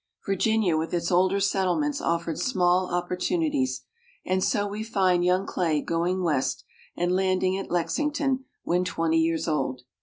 Virginia with its older settlements offered small opportunities, and so we find young Clay going West, and landing at Lexington when twenty years old.